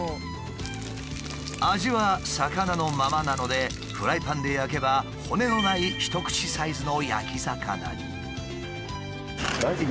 味は魚のままなのでフライパンで焼けば骨のない一口サイズの焼き魚に。